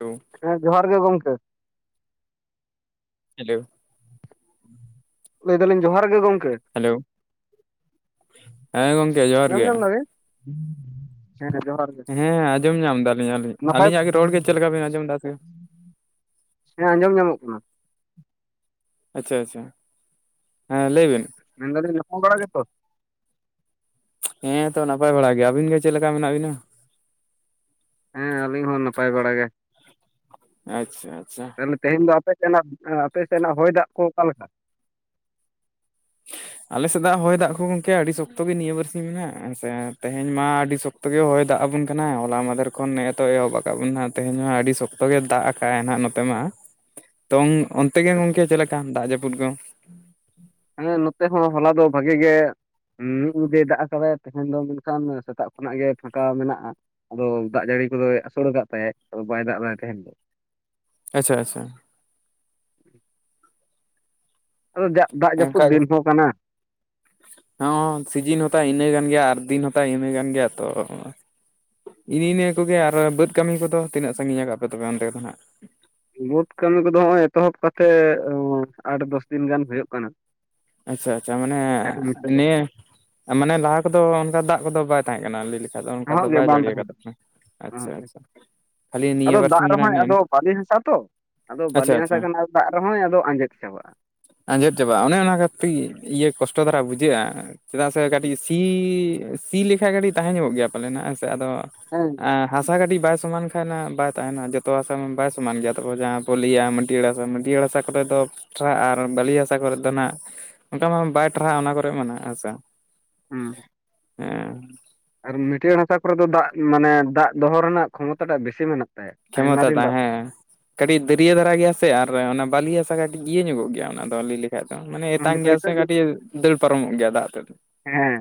ᱳ ᱦᱮᱸ ᱡᱚᱦᱟᱸᱨ ᱜᱮ ᱜᱚᱝᱠᱮ᱾ ᱦᱮᱞᱳ᱾ ᱞᱟᱹᱭ ᱫᱟᱹᱞᱤᱧ ᱡᱚᱦᱟᱸᱨ ᱜᱮ ᱜᱚᱝᱠᱮ᱾ ᱦᱮᱞᱳ ᱦᱮᱸ ᱜᱚᱢᱠᱮ ᱡᱚᱦᱟᱸᱨ ᱜᱮ᱾ ᱥᱮ ᱡᱚᱦᱟᱸᱨ ᱜᱮ᱾ ᱦᱮᱸ ᱟᱸᱡᱚᱢ ᱧᱟᱢ ᱫᱟᱞᱤᱧ ᱟᱹᱞᱤᱧ ᱱᱟᱯᱟᱭ ᱟᱹᱞᱤᱧᱟᱜ ᱜᱮ ᱨᱚᱲ ᱜᱮ ᱪᱮᱫ ᱞᱮᱠᱟ ᱵᱤᱱ ᱟᱸᱡᱚᱢ ᱫᱟ ᱥᱮ ᱦᱮᱸ ᱟᱸᱡᱚᱢ ᱧᱟᱢᱚᱜ ᱠᱟᱱᱟ᱾ ᱟᱪᱪᱷᱟ ᱟᱪᱪᱷᱟ ᱦᱮᱸ ᱞᱟᱹᱭ ᱵᱤᱱ᱾ ᱢᱮᱱᱫᱟᱞᱤᱧ ᱱᱟᱯᱟᱭ ᱵᱟᱲᱟ ᱜᱮᱛᱚ? ᱦᱮᱸᱛᱚ ᱱᱟᱯᱟᱭ ᱵᱟᱲᱟ ᱜᱮ ᱟᱹᱵᱤᱱ ᱜᱮ ᱪᱮᱫ ᱞᱮᱠᱟ ᱢᱮᱱᱟᱜ ᱵᱤᱱᱟ? ᱦᱮᱸ ᱟᱹᱞᱤᱧ ᱦᱚᱸ ᱱᱟᱯᱟᱭ ᱵᱟᱲᱟ ᱜᱮ᱾ ᱟᱪᱪᱷᱟ ᱟᱪᱪᱷᱟ, ᱛᱟᱦᱚᱞᱮ ᱛᱮᱦᱮᱧ ᱫᱚ ᱟᱯᱮ ᱥᱮᱱᱟᱜ ᱟᱯᱮ ᱥᱮᱱᱟᱜ ᱦᱚᱭ ᱫᱟᱜ ᱠᱚ ᱚᱠᱟ ᱞᱮᱠᱟ? [unintelligible] ᱟᱞᱮᱥᱮᱫ ᱫᱚ ᱦᱚᱭ ᱫᱟᱜ ᱠᱚ ᱜᱚᱢᱠᱮ ᱟᱹᱰᱤ ᱥᱚᱠᱛᱚ ᱜᱮ ᱱᱤᱭᱟᱹ ᱵᱟᱨᱥᱤᱧ ᱫᱚ ᱱᱟᱦᱟᱜ ᱛᱮᱦᱮᱧ ᱢᱟ ᱟᱹᱰᱤ ᱥᱚᱠᱛᱚ ᱛᱚᱵᱮ ᱦᱚᱭ ᱫᱟᱜ ᱟᱵᱤᱱ ᱠᱟᱱᱟ ᱦᱚᱞᱟ ᱢᱟᱦᱫᱮᱨ ᱠᱷᱚᱱ ᱱᱮ ᱮᱛᱦᱚᱵ ᱟᱠᱟᱫ ᱵᱤᱱ ᱛᱮᱦᱮᱧ ᱦᱚᱸ ᱟᱹᱰᱤ ᱥᱚᱠᱛᱚ ᱜᱮ ᱫᱟᱜ ᱦᱮᱸ ᱱᱟᱦᱟᱜ ᱱᱚᱛᱮ ᱢᱟ᱾ ᱛᱚ ᱚᱱᱛᱮ ᱜᱮ ᱜᱚᱝᱠᱮ ᱪᱮᱫ ᱞᱮᱠᱟ ᱫᱟᱜ ᱡᱟᱹᱯᱩᱫ ᱠᱚ? ᱦᱮᱸ ᱱᱚᱛᱮ ᱦᱚᱸ ᱦᱚᱞᱟ ᱫᱚ ᱵᱷᱟᱜᱮ ᱜᱮ ᱦᱩᱸ ᱢᱤᱫ ᱧᱤᱫᱟᱹᱭ ᱫᱟᱜ ᱠᱟᱫᱟᱭ ᱛᱟᱦᱮᱸᱱ ᱫᱚ ᱢᱮᱱᱠᱷᱟᱱ ᱥᱮᱛᱟᱜ ᱠᱷᱚᱱᱟᱜ ᱜᱮ ᱯᱷᱟᱸᱠᱟ ᱢᱮᱱᱟᱜᱼᱟ᱾ ᱟᱫᱚ ᱫᱟᱜ ᱡᱟᱹᱲᱤ ᱠᱚᱫᱚᱭ ᱟᱥᱳᱲ ᱠᱟᱫ ᱛᱮ ᱟᱫᱚ ᱵᱟᱭ ᱫᱟᱜ ᱫᱟᱭ ᱛᱮᱦᱮᱸᱱ ᱟᱪᱪᱷᱟ ᱟᱪᱪᱷᱟ, ᱟᱫᱚ ᱫᱟᱜ ᱫᱟᱜ ᱡᱟᱹᱯᱩᱫ ᱫᱤᱱ ᱦᱚᱸ ᱠᱟᱱᱟ᱾ ᱦᱮᱸ ᱥᱤᱡᱤᱱ ᱦᱚᱸᱛᱟᱭ ᱤᱱᱟᱹ ᱠᱟᱱ ᱜᱮᱭᱟ ᱟᱨ ᱫᱤᱱ ᱦᱚᱸᱛᱟᱭ ᱤᱱᱟᱹ ᱠᱟᱱ ᱜᱮᱭᱟ ᱛᱚ᱾ ᱱᱤ ᱱᱤᱭᱟᱹ ᱠᱚᱜᱮ ᱟᱨ ᱵᱟᱹᱫᱽ ᱠᱟᱹᱢᱤ ᱠᱚᱫᱚ ᱛᱤᱱᱟᱹᱜ ᱥᱟᱺᱜᱤᱧ ᱟᱠᱟᱜ ᱯᱮ ᱚᱱᱛᱮ ᱫᱚ ᱦᱟᱸᱜ? ᱵᱟᱹᱫᱽ ᱠᱟᱹᱢᱤ ᱠᱚᱫᱚ ᱦᱚᱜᱼᱚᱭ ᱮᱛᱚᱦᱚᱵ ᱠᱟᱛᱮᱫ ᱟᱴ ᱫᱚᱥ ᱫᱤᱱ ᱜᱟᱱ ᱦᱩᱭᱩᱜ ᱠᱟᱱᱟ᱾ ᱟᱪᱪᱷᱟ ᱟᱪᱪᱷᱟ ᱢᱟᱱᱮ ᱟᱨ ᱱᱤᱛᱚᱜ ᱱᱤᱭᱟᱹ ᱢᱟᱱᱮ ᱞᱟᱦᱟ ᱠᱚᱫᱚ ᱚᱱᱠᱟ ᱫᱟᱜ ᱠᱚᱫᱚ ᱵᱟᱭ ᱛᱟᱦᱮᱸ ᱠᱟᱱᱟ ᱞᱟᱹᱭ ᱵᱤᱱ? ᱟᱫᱚ ᱚᱱᱠᱟ ᱫᱚ ᱮᱦᱚᱵ ᱜᱮ ᱵᱟᱭ ᱵᱟᱝ ᱡᱟᱹᱲᱤ ᱛᱟᱦᱮᱸ ᱟᱠᱟᱫᱟ ᱟᱪᱪᱷᱟ ᱟᱪᱪᱷᱟ᱾ ᱠᱷᱟᱹᱞᱤ ᱱᱤᱭᱟᱹ ᱟᱫᱚ ᱫᱟᱜ ᱵᱟᱨᱥᱤᱧ ᱜᱮ ᱱᱟᱜ ᱨᱮᱦᱚᱸᱭ ᱱᱤᱭᱟᱹ ᱟᱫᱚ ᱵᱟᱞᱤ ᱦᱟᱥᱟ ᱛᱚ, ᱟᱫᱚ ᱟᱪᱪᱷᱟ ᱵᱟᱞᱤ ᱟᱪᱪᱷᱟ ᱦᱟᱥᱟ ᱠᱟᱱᱟ ᱫᱟᱜ ᱨᱮᱦᱚᱸᱭ ᱟᱫᱚ ᱟᱸᱡᱮᱫ ᱪᱟᱵᱟᱜᱼᱟ᱾ ᱟᱸᱡᱮᱫ ᱪᱟᱵᱟᱜᱼᱟ ᱚᱱᱮ ᱚᱱᱟ ᱠᱟᱹᱴᱤᱡ ᱤᱭᱟᱹ ᱠᱚᱥᱴᱚ ᱫᱷᱟᱨᱟ ᱵᱩᱡᱷᱟᱹᱜᱼᱟ᱾ ᱪᱮᱫᱟᱜ ᱥᱮ ᱠᱟᱹᱴᱤᱡ ᱥᱤ ᱥᱤ ᱞᱮᱠᱷᱟᱡ ᱠᱟᱹᱴᱤᱡ ᱛᱟᱦᱮᱸ ᱧᱚᱜᱚᱜ ᱜᱮᱭᱟ ᱯᱟᱞᱮᱱ ᱦᱟᱜ ᱦᱮᱸ ᱥᱮ ᱟᱫᱚ ᱦᱮᱸ ᱟᱸ ᱦᱟᱥᱟ ᱠᱟᱹᱴᱤᱡ ᱵᱟᱭ ᱥᱚᱢᱟᱱ ᱠᱷᱟᱱ ᱵᱟᱭ ᱛᱟᱦᱮᱸᱱᱟ ᱡᱚᱛᱚ ᱦᱟᱥᱟ ᱢᱟ ᱵᱟᱭ ᱥᱚᱢᱟᱱ ᱜᱮᱭᱟ ᱛᱚ ᱡᱟᱦᱟᱸ ᱯᱳᱞᱤᱭᱟ ᱢᱟᱹᱴᱭᱟᱹᱲ ᱦᱟᱥᱟ ᱢᱟᱹᱴᱭᱟᱹᱲ ᱦᱟᱥᱟ ᱠᱚᱨᱮ ᱫᱚ ᱴᱨᱟ-ᱟ ᱟᱨ ᱵᱟᱹᱞᱤ ᱦᱟᱥᱟ ᱠᱚᱨᱮᱫ ᱫᱚ ᱱᱟᱜ ᱚᱱᱠᱟ ᱢᱟ ᱵᱟᱭ ᱴᱨᱟᱦᱟᱜᱼᱟ ᱚᱱᱟ ᱠᱚᱨᱮ ᱢᱟ ᱦᱟᱥᱟ᱾ ᱦᱩᱸᱢ ᱮᱸ ᱟᱨ ᱢᱟᱹᱴᱭᱟᱹᱲ ᱦᱟᱥᱟ ᱠᱚᱨᱮ ᱫᱚ ᱫᱟᱜ ᱢᱟᱱᱮ ᱫᱟᱜ ᱫᱚᱦᱚ ᱨᱮᱱᱟᱜ ᱠᱷᱚᱢᱚᱛᱟ ᱴᱟᱜ ᱵᱮᱥᱤ ᱢᱮᱱᱟᱜ ᱛᱟᱭᱟ᱾ ᱟᱭᱢᱟ ᱫᱤᱱ ᱠᱷᱮᱢᱚᱛᱟᱛᱟ ᱫᱟᱜ ᱦᱮᱸ ᱠᱟᱹᱴᱤᱡ ᱫᱟᱹᱨᱭᱟᱹ ᱫᱷᱟᱨᱟ ᱜᱮᱭᱟ ᱥᱮ ᱟᱨ ᱚᱱᱟ ᱵᱟᱹᱞᱤ ᱦᱟᱥᱟ ᱠᱟᱹᱴᱤᱡ ᱤᱭᱟᱹ ᱧᱚᱜᱚᱜ ᱜᱮᱭᱟ ᱚᱱᱟ ᱫᱚ ᱟᱹᱞᱤᱧ ᱞᱮ [inaudible] ᱢᱟᱱᱮ ᱮᱛᱟᱝ ᱜᱮᱭᱟ ᱥᱮ ᱠᱟᱹᱴᱤᱡ ᱫᱟᱹᱲ ᱯᱟᱨᱚᱢᱚᱜ ᱜᱮᱭᱟ ᱫᱟᱜ ᱛᱮᱫ ᱦᱮᱸ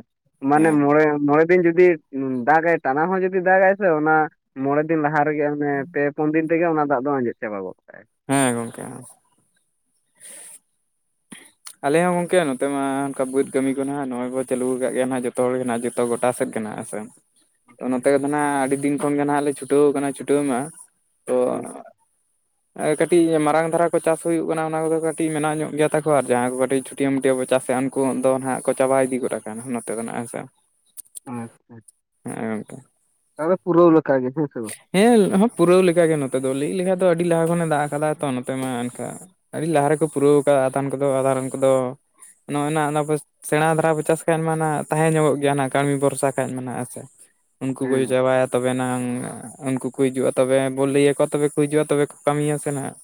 ᱢᱟᱱᱮ ᱦᱮᱸ, ᱢᱚᱬᱮ ᱢᱚᱬᱮ ᱫᱤᱱ ᱡᱩᱫᱤ ᱫᱟᱜᱟᱭ ᱴᱟᱱᱟ ᱦᱚᱸ ᱡᱩᱫᱤ ᱫᱟᱜᱟᱭ ᱥᱮ ᱚᱱᱟ ᱢᱚᱬᱮ ᱫᱤᱱ ᱞᱟᱦᱟ ᱨᱮᱜᱮ ᱚᱱᱮ ᱯᱮ ᱯᱩᱱ ᱫᱤᱱ ᱛᱮᱜᱮ ᱚᱱᱟ ᱫᱟᱜ ᱫᱚ ᱟᱸᱡᱮᱫ ᱪᱟᱵᱟ ᱜᱚᱜ ᱠᱟᱜ ᱟᱭ᱾ ᱦᱮᱸ ᱜᱚᱝᱠᱮ, ᱟᱞᱮ ᱦᱚᱸ ᱜᱚᱝᱠᱮ ᱱᱚᱛᱮ ᱢᱟ ᱚᱱᱠᱟ ᱵᱟᱹᱫᱽ ᱠᱟᱹᱢᱤ ᱠᱚ ᱱᱟᱜ ᱱᱚᱜᱼᱚᱭ ᱠᱚ ᱪᱟᱹᱞᱩ ᱠᱟᱜ ᱜᱮᱭᱟ ᱱᱟᱜ ᱡᱚᱛᱚ ᱦᱚᱲ ᱜᱮ ᱱᱟᱦᱟᱜ ᱡᱚᱛ ᱛᱚ ᱜᱚᱴᱟ ᱥᱮᱫ ᱠᱟᱱᱟ ᱦᱮ ᱥᱮ᱾ ᱛᱚ ᱱᱚᱛᱮᱫᱚ ᱦᱟᱸᱜ ᱟᱹᱰᱤ ᱫᱤᱱ ᱠᱷᱚᱱᱜᱮ ᱱᱟᱦᱟᱸᱜ ᱞᱮ ᱪᱷᱩᱴᱟᱹᱣ ᱠᱟᱱᱟ ᱪᱷᱩᱴᱟᱹᱣ ᱢᱟ ᱛᱚ ᱟᱪᱪᱷᱟ ᱠᱟᱹᱴᱤᱡ ᱢᱟᱨᱟᱝ ᱫᱷᱟᱨᱟ ᱠᱚ ᱪᱟᱥ ᱦᱩᱭᱩᱜ ᱠᱟᱱᱟ, ᱚᱱᱟ ᱠᱚᱫᱚ ᱠᱟᱹᱴᱤᱡ ᱢᱮᱱᱟᱜ ᱧᱚᱜ ᱜᱮᱭᱟ ᱛᱟᱠᱚ, ᱟᱨ ᱡᱟᱦᱟᱸᱭ ᱠᱚ ᱠᱟᱹᱴᱤᱡ ᱪᱷᱴᱭᱟᱹ ᱢᱩᱴᱭᱟᱹ ᱵᱚᱱ ᱪᱟᱥᱮᱫ-ᱟ ᱩᱱᱠᱩ ᱫᱚ ᱱᱟᱦᱟᱜ ᱠᱚ ᱪᱟᱵᱟ ᱤᱫᱤ ᱜᱚᱫ ᱟᱠᱟᱱᱟ ᱱᱚᱛᱮ ᱫᱚᱱᱦᱟᱜ ᱦᱮᱸ ᱥᱮ᱾ ᱟᱸ ᱦᱮ ᱜᱚᱝᱠᱮ᱾ ᱛᱚᱵᱮ ᱯᱩᱨᱟᱹᱣ ᱞᱮᱠᱟ ᱜᱮ ᱦᱮᱸ ᱥᱮ? ᱵᱟᱝ ᱦᱮᱸ ᱯᱩᱨᱟᱹᱣ ᱞᱮᱠᱟᱜᱮ ᱱᱚᱛᱮ ᱫᱚ ᱞᱟᱹᱭ ᱞᱮᱠᱷᱟᱡ ᱫᱚ ᱟᱹᱰᱤ ᱞᱟᱦᱟ ᱠᱷᱚᱱᱮ ᱫᱟᱜ ᱠᱟᱫᱟᱭ ᱛᱚ ᱱᱚᱛᱮ ᱢᱟ ᱮᱱ ᱠᱟ ᱟᱹᱰᱤ ᱞᱟᱦᱟ ᱨᱮᱠᱚ ᱯᱩᱨᱟᱹᱣ ᱠᱟᱫᱟ ᱟᱫᱷᱟᱱ ᱠᱚᱫᱚ ᱟᱫᱷᱟ ᱨᱮᱱ ᱠᱚᱫᱚ ᱱᱚᱜ ᱱᱟ ᱚᱱᱟ ᱥᱮᱬᱟ ᱫᱷᱟᱨᱟ ᱵᱚ ᱪᱟᱥ ᱠᱷᱟᱡ ᱢᱟ ᱱᱟ ᱛᱟᱦᱮᱸ ᱧᱚᱜᱚᱜ ᱜᱮᱭᱟ ᱱᱟᱜ ᱠᱟᱹᱢᱤ ᱵᱚᱨᱥᱟ ᱠᱷᱟᱡ ᱢᱟ ᱟᱱᱮ ᱦᱮᱸ ᱥᱮ, ᱩᱱᱠᱩ ᱠᱚ ᱦᱮᱸ ᱪᱟᱵᱟᱭᱟ ᱛᱚᱵᱮ ᱱᱟᱝ ᱩᱱᱠᱩ ᱠᱚ ᱦᱤᱡᱩᱜ-ᱟ ᱛᱚᱵᱮ ᱵᱚᱱ ᱞᱟᱹᱭ ᱟᱠᱚᱣᱟ ᱛᱚᱵᱮ ᱠᱚ ᱦᱤᱡᱩᱜ-ᱟ ᱠᱚ ᱠᱟᱹᱢᱤᱭᱟ ᱥᱮ ᱱᱦᱟᱸᱜ,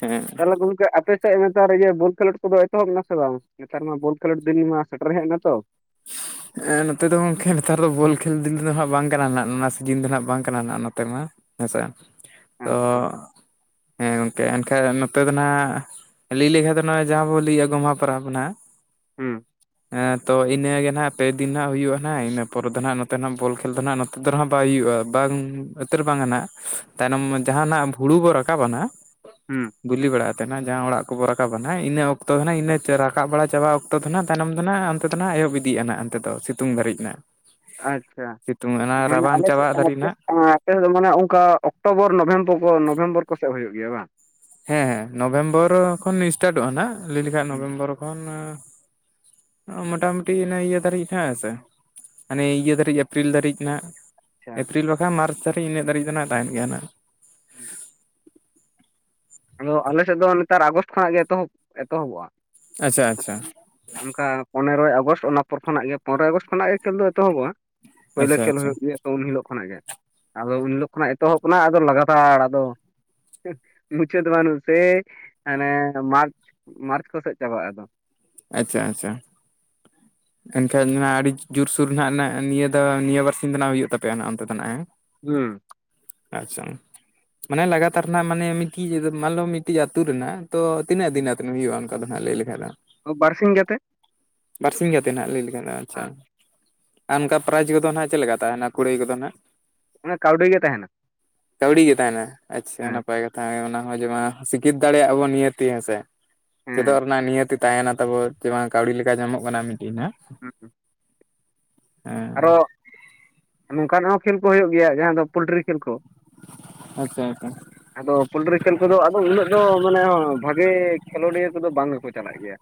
ᱦᱮᱸ, ᱛᱟᱦᱞᱮ ᱜᱚᱢᱠᱮ ᱟᱯᱮ ᱥᱮᱫ ᱱᱮᱛᱟᱨ ᱨᱮ ᱤᱭᱟᱹ ᱵᱳᱞ ᱠᱷᱮᱞᱳᱰ ᱠᱚᱫᱚ ᱮᱛᱚᱦᱚᱵ ᱮᱱᱟ ᱥᱮ ᱵᱟᱝ? ᱱᱮᱛᱟᱨ ᱢᱟ ᱵᱳᱞ ᱠᱷᱮᱞᱳᱰ ᱫᱤᱱ ᱢᱟ ᱥᱮᱴᱮᱨ ᱦᱮᱡ ᱱᱟᱛᱚ, ᱮ ᱱᱚᱛᱮ ᱫᱚ ᱜᱚᱝᱠᱮ ᱱᱮᱛᱟᱨ ᱫᱚ ᱵᱚᱞ ᱠᱷᱮᱞ ᱫᱤᱱ ᱫᱚ ᱦᱟᱜ ᱵᱟᱝ ᱠᱟᱱᱟ ᱚᱱᱟ ᱥᱤᱡᱤᱱ ᱫᱚ ᱦᱟᱜ ᱵᱟᱝ ᱠᱟᱱᱟ ᱱᱟᱜ ᱱᱚᱛᱮ ᱢᱟ, ᱦᱮᱸᱥᱮ ᱛᱚ ᱟᱪᱪᱷᱟ ᱦᱮᱸ ᱜᱚᱝᱠᱮ, ᱮᱱᱠᱷᱟᱱᱡ ᱱᱚᱛᱮ ᱫᱚ ᱱᱦᱟᱜ ᱞᱟᱹᱭ ᱞᱮᱠᱷᱟᱱ ᱫᱚ ᱱᱚᱜ ᱚᱭ ᱡᱟᱦᱟᱸ ᱵᱚ ᱞᱟᱹᱭ-ᱟ ᱜᱚᱢᱦᱟ ᱯᱟᱨᱟᱵᱽ ᱱᱟ ᱦᱩᱸ, ᱦᱮᱸ ᱛᱚ ᱤ ᱤᱱᱟᱹᱜᱮ ᱱᱟᱦᱟᱜ ᱯᱮᱫᱤᱱ ᱦᱟᱜ ᱦᱩᱭᱩᱜ-ᱟ ᱱᱦᱟᱜ ᱤᱱᱟᱹ ᱯᱚᱨᱮ ᱫᱚ ᱱᱦᱟᱜ ᱱᱚᱛᱮ ᱱᱟᱜ ᱵᱚᱞ ᱠᱷᱮᱞ ᱫᱚ ᱱᱟᱦᱟᱜ ᱱᱚᱛᱮ ᱫᱚ ᱱᱟᱦᱟᱜ ᱵᱟᱭ ᱦᱩᱭᱩᱜ-ᱟ ᱵᱟᱝ, ᱩᱛᱟᱹᱨ ᱵᱟᱝᱟᱱᱟ ᱛᱟᱭᱱᱚᱢ ᱡᱟᱦᱟᱱᱟᱜ ᱦᱩᱲᱩ ᱵᱚ ᱨᱟᱠᱟᱵᱟᱱᱟ ᱦᱩᱸ ᱵᱤᱞᱤ ᱵᱟᱲᱟ ᱟᱛᱮᱱᱟᱜ ᱡᱟᱦᱟᱸ ᱚᱲᱟᱜ ᱠᱚᱵ ᱨᱟᱠᱟᱵᱟ ᱱᱦᱟᱜ ᱤᱱᱟᱹ ᱚᱠᱛᱚ ᱱᱟᱦᱟᱜ ᱨᱟᱠᱟᱵ ᱵᱟᱲᱟ ᱪᱟᱞᱟᱣ ᱛᱚᱛᱷᱱᱟᱜ ᱛᱥᱭᱱᱚᱢ ᱫᱚ ᱱᱟᱜ ᱚᱱᱛᱮ ᱫᱚ ᱱᱦᱟᱜ ᱮᱦᱚᱵ ᱤᱫᱤᱜ ᱟᱱᱦᱟᱜ ᱚᱱᱛᱮ ᱫᱚ ᱥᱤᱛᱩᱝ ᱫᱟᱹᱨᱤᱡ ᱱᱟᱜ, ᱟᱪᱪᱷᱟ ᱥᱤᱛᱩᱝ ᱚᱱᱟ ᱢᱟᱱᱮ ᱨᱟᱵᱟᱝ ᱟᱞᱮ ᱥᱮᱫ ᱪᱟᱵᱟᱜ ᱫᱟᱹᱨᱤᱡ ᱟᱯᱮ ᱱᱟᱜ, ᱟᱯᱮ ᱥᱮᱫ ᱫᱚ ᱢᱟᱱᱮ ᱚᱝᱠᱟ ᱚᱠᱴᱳᱵᱚᱨ ᱱᱚᱵᱷᱮᱢᱵᱚᱨ ᱠᱚ ᱱᱚᱵᱷᱮᱢᱵᱚᱨ ᱠᱚᱥᱮᱜ ᱦᱩᱭᱩᱜ ᱜᱮᱭᱟ ᱵᱟᱝ? ᱦᱮᱸ ᱦᱮᱸ ᱱᱚᱵᱷᱮᱢᱵᱚᱨ ᱠᱷᱚᱱ ᱤᱥᱴᱟᱨᱴᱚᱜ-ᱟ ᱱᱦᱟᱜ ᱞᱟᱹᱭ ᱞᱮᱠᱷᱟᱱ ᱱᱚᱵᱷᱮᱢᱵᱚᱨ ᱠᱷᱚᱱ ᱢᱚᱴᱟᱢᱩᱴᱤ ᱚᱱᱟ ᱤᱭᱟᱹ ᱫᱷᱟᱹᱨᱤᱡ ᱦᱮ ᱥᱮ᱾ ᱢᱟᱹᱱᱤ ᱤᱭᱟᱹ ᱫᱷᱟᱹᱨᱤᱡ ᱮᱯᱤᱨᱤᱞ ᱫᱷᱟᱹᱨᱤᱡ ᱱᱦᱟᱜ, ᱟᱪᱪᱷᱟ ᱮᱯᱨᱤᱞ ᱵᱟᱠᱷᱟᱱ ᱢᱟᱨᱪ ᱫᱷᱟᱹᱨᱤᱡ ᱤᱱᱟᱹᱜ ᱫᱷᱟᱹᱨᱤᱡ ᱫᱚ ᱱᱦᱟᱜ ᱛᱟᱦᱮᱱ ᱜᱮᱭᱟ ᱱᱦᱟᱜ᱾ ᱦᱩᱸ ᱟᱞᱚ ᱟᱞᱮ ᱥᱮᱫ ᱫᱚ ᱱᱮᱛᱟᱨ ᱟᱜᱚᱥᱴ ᱠᱷᱚᱱᱟᱜ ᱜᱮ ᱮᱛᱚᱦᱚᱵ ᱮᱛᱚᱦᱚᱵᱚᱜ-ᱟ, ᱟᱪᱪᱷᱟ ᱟᱪᱪᱷᱟ, ᱚᱱᱠᱟ ᱯᱚᱱᱮᱨᱚᱭ ᱟᱜᱚᱥᱴ ᱚᱱᱟ ᱯᱚᱨ ᱠᱷᱚᱱᱟᱜ ᱜᱮ ᱯᱚᱨᱚᱭ ᱟᱜᱚᱥᱴᱚ ᱠᱷᱚᱱᱟᱜ ᱜᱮ ᱠᱷᱮᱞ ᱫᱚ ᱮᱛᱚᱦᱚᱵᱚᱜ-ᱟ, ᱯᱳᱭᱞᱚ ᱟᱪᱪᱷᱟ ᱠᱷᱮᱞ ᱟᱪᱪᱷᱟ ᱦᱩᱭᱩᱜ ᱜᱮᱭᱟ᱾ ᱩᱱ ᱦᱤᱞᱳᱜ ᱠᱷᱚᱱᱟᱜ ᱜᱮ, ᱟᱫᱚ ᱩᱱ ᱦᱤᱞᱳᱜ ᱠᱷᱚᱱᱟᱜ ᱮᱛᱚᱦᱚᱵ ᱠᱟᱱᱟ ᱟᱫᱚ ᱞᱟᱜᱟᱛᱟᱲ ᱟᱫᱚ ᱢᱩᱪᱟᱹᱫᱚᱜ ᱟ ᱥᱮᱭ ᱦᱟᱱᱮ ᱢᱟᱨᱪ ᱢᱟᱨᱪ ᱠᱚᱥᱮᱡ ᱪᱟᱵᱟᱜ-ᱟ ᱟᱫᱚ, ᱟᱪᱪᱷᱟ ᱟᱪᱪᱷᱟ, [inaudible] ᱮᱱᱠᱷᱟᱱ ᱟᱹᱰᱤ ᱡᱳᱨᱥᱳᱨ ᱱᱦᱟᱜ ᱱᱤᱭᱟᱹ ᱫᱚ ᱱᱤᱭᱟᱹ ᱵᱟᱨᱥᱤᱧ ᱫᱚ ᱱᱦᱟᱜ ᱦᱩᱭᱩᱜ ᱛᱟᱯᱮᱭᱟ ᱦᱟᱜ ᱚᱱᱛᱮ ᱫᱚ ᱱᱦᱟᱜ ᱦᱮ, ᱦᱩᱸ, ᱟᱪᱪᱷᱟ, ᱢᱟᱱᱮ ᱞᱟᱜᱟᱛᱟᱨ ᱨᱮᱱᱟᱜ ᱢᱟᱱᱮ ᱢᱤᱴᱤᱡ ᱢᱟᱱᱞᱚ ᱢᱤᱫᱴᱤᱡ ᱟᱹᱛᱩ ᱨᱮᱱᱟᱜ, ᱛᱚ ᱛᱤᱱᱟᱹᱜ ᱫᱤᱱ ᱟᱛᱮᱱ ᱦᱩᱭᱩᱜ-ᱟ ᱚᱱᱠᱟ ᱫᱚ ᱱᱦᱟᱜ ᱞᱟᱹᱭ ᱞᱮᱠᱷᱟᱡ ᱫᱚ, ᱵᱟᱨᱥᱤᱝ ᱜᱟᱛᱮ, ᱵᱟᱨ ᱥᱤᱧ ᱜᱟᱛᱮ ᱱᱦᱟᱜ ᱞᱟᱹᱭ ᱞᱮᱠᱷᱟᱱ ᱟᱪᱪᱷᱟ, ᱟᱱᱠᱟ ᱯᱨᱟᱭᱤᱡᱽ ᱠᱚᱫᱚ ᱦᱟᱜ ᱪᱮᱫ ᱞᱮᱠᱟ ᱛᱟᱦᱮᱱᱟ ᱠᱩᱲᱟᱹᱭ ᱠᱚᱫᱚ ᱦᱟᱜ? ᱚᱱᱟ ᱠᱟᱹᱣᱰᱤ ᱜᱮ ᱛᱟᱦᱮᱱᱟ, ᱠᱟᱹᱣᱰᱤ ᱜᱮ ᱛᱟᱦᱮᱱᱟ ᱟᱪᱪᱷᱟ ᱦᱮᱸ ᱱᱟᱯᱟᱭ ᱠᱟᱛᱷᱟ, ᱦᱮᱸᱚᱱᱟ ᱦᱚᱸ ᱡᱚᱢᱟ ᱥᱤᱠᱷᱤᱛ ᱫᱟᱲᱮᱭᱟᱜᱼᱟ ᱵᱚᱱ ᱱᱤᱦᱟᱹᱛᱤ ᱦᱮᱸᱥᱮ ᱦᱮᱸ ᱪᱮᱫᱚᱜ ᱨᱮᱱᱟᱜ ᱱᱤᱦᱟᱹᱛᱤ ᱛᱟᱦᱮᱱᱟ, ᱛᱟᱵᱚ ᱛᱮᱢᱟ ᱠᱟᱹᱣᱰᱤ ᱞᱮᱠᱟ ᱧᱟᱢᱚᱜ ᱠᱟᱱᱟ ᱢᱤᱫᱴᱮᱱ ᱦᱚ, ᱦᱩ, ᱦᱮᱸ, ᱱᱚᱝᱠᱟᱱ ᱦᱚᱸ ᱠᱷᱮᱞ ᱠᱚ ᱦᱩᱭᱩᱜ ᱜᱮᱭᱟ ᱡᱟᱦᱟᱸ ᱫᱚ ᱯᱳᱞᱴᱨᱤ ᱠᱷᱮᱞ ᱠᱚ? ᱟᱪᱪᱷᱟ ᱟᱪᱪᱷᱟ, ᱟᱫᱚ ᱯᱚᱞᱴᱤᱨᱤ ᱠᱷᱮᱞ ᱠᱚᱫᱚ ᱟᱫᱚ ᱩᱱᱟᱹᱜ ᱫᱚ ᱢᱟᱱᱮ ᱵᱷᱟᱜᱮ ᱠᱷᱮᱞᱳᱰᱤᱭᱟᱹ ᱠᱚᱫᱚ ᱵᱟᱝ ᱜᱮᱠᱚ ᱪᱟᱞᱟᱜ ᱜᱮᱭᱟ,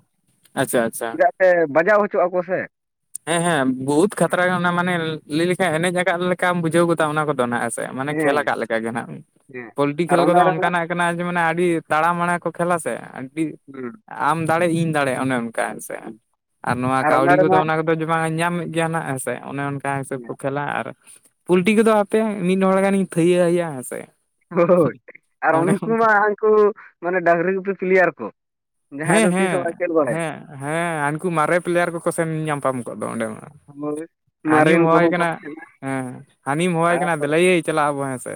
ᱟᱪᱪᱷᱟ ᱟᱪᱪᱷᱟ, ᱪᱮᱫᱟᱜ ᱥᱮ ᱵᱟᱡᱟᱣ ᱦᱚᱪᱚᱜ ᱟᱠᱚ ᱥᱮ, ᱦᱮᱸ ᱦᱮᱸ ᱵᱚᱦᱩᱫ ᱠᱷᱛᱨᱟ ᱜᱮ ᱚᱱᱟ ᱢᱟᱱᱮ ᱞᱟᱹᱭ ᱞᱮᱠᱷᱟᱱ ᱮᱱᱮᱡ ᱟᱠᱟᱫ ᱞᱮᱠᱟᱢ ᱵᱩᱡᱷᱟᱹᱣ ᱜᱚᱫᱟ ᱚᱱᱟ ᱠᱚᱫᱚ ᱱᱟᱜ ᱦᱮᱥᱮ, ᱢᱟᱱᱮ ᱠᱷᱮᱞ ᱦᱮᱸ ᱟᱠᱟᱫ ᱞᱮᱠᱟᱜ ᱜᱮ ᱱᱟᱦᱱᱟᱜ, ᱦᱮᱸ ᱯᱳᱞᱴᱤ ᱟᱨ ᱠᱷᱮᱞ ᱚᱱᱟ ᱠᱚᱫᱚ ᱨᱮᱢᱟ ᱚᱱᱠᱟᱱᱟᱜ ᱠᱟᱱᱟ ᱡᱮ ᱢᱟᱱᱮ ᱟᱹᱰᱤ ᱛᱟᱲᱟᱢ ᱢᱟᱬᱟ ᱠᱚ ᱠᱷᱮᱞᱟ ᱥᱮ ᱟᱹᱰᱤᱼᱼ [unintelligible] ᱟᱢ ᱫᱟᱲᱮ ᱤᱧ ᱫᱟᱲᱮ ᱚᱱᱮ ᱚᱱᱠᱟ ᱦᱮᱸᱥᱮ ᱟᱨ ᱱᱚᱣᱟ ᱚᱱᱟ ᱠᱟᱹᱣᱰᱤ ᱠᱚᱫᱚ ᱨᱮᱢᱟ ᱚᱱᱮᱼᱼ [unintelligible] ᱧᱟᱢᱮᱫ ᱜᱮᱭᱟ ᱱᱟᱜ ᱦᱮᱥᱮ ᱚᱱᱮ ᱚᱱᱠᱟ ᱦᱤᱥᱟᱹᱵᱽ ᱠᱚ ᱠᱷᱮᱞᱟ ᱟᱨᱼᱼ ᱯᱚᱞᱴᱤ ᱠᱚᱫᱚ ᱟᱯᱮ ᱢᱤᱫ ᱦᱚᱲ ᱜᱟᱱᱤᱧ ᱛᱷᱟᱹᱭᱟᱹ ᱟᱭᱟ ᱦᱮᱸᱥᱮ᱾ ᱦᱳᱻᱭ ᱟᱨ ᱚᱱᱮ ᱩᱱᱠᱩ ᱚᱱᱠᱟ ᱢᱟ ᱦᱟᱱᱠᱩ ᱢᱟᱱᱮ ᱰᱟᱝᱨᱤ ᱜᱩᱯᱤ ᱯᱤᱞᱭᱟᱨ ᱠᱚ᱾ ᱡᱟᱦᱟᱸᱭ ᱦᱮᱸ ᱫᱚ ᱛᱤᱥ ᱦᱚᱸ ᱵᱟᱭ ᱦᱮᱸ ᱠᱷᱮᱞ ᱵᱟᱲᱟᱭᱟ᱾ ᱦᱮᱸ ᱦᱮᱸ ᱦᱟᱱᱠᱩ ᱢᱟᱨᱮ ᱯᱤᱞᱭᱟᱨ ᱠᱚᱠᱚ ᱥᱮᱱ ᱧᱟᱯᱟᱢ ᱠᱚᱜ ᱫᱚ ᱚᱸᱰᱮ ᱢᱟ᱾ ᱦᱳᱭ ᱟᱹᱱᱤᱢ ᱢᱟᱨᱮᱱ ᱦᱚᱦᱟᱭ ᱠᱚᱦᱚᱸ ᱠᱚ ᱠᱟᱱᱟ᱾ ᱛᱟᱦᱮᱱᱟ ᱦᱮᱸ ᱦᱟᱹᱱᱤᱢ ᱦᱚᱭᱟᱭ ᱠᱟᱱᱟ ᱛᱟᱯᱚᱨᱮ ᱫᱮᱞᱟᱭᱟᱹᱭ ᱪᱟᱞᱟᱜ ᱟᱵᱚ ᱦᱮᱸᱥᱮ